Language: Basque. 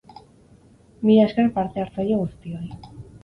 Mila esker parte hartzaile guztioi.